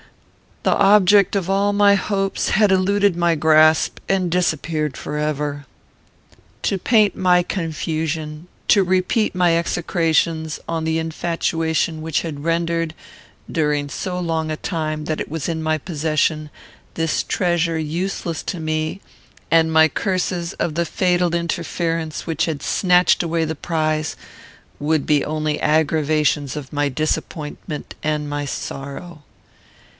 The object of all my hopes had eluded my grasp, and disappeared forever. "To paint my confusion, to repeat my execrations on the infatuation which had rendered, during so long a time that it was in my possession, this treasure useless to me, and my curses of the fatal interference which had snatched away the prize, would be only aggravations of my disappointment and my sorrow.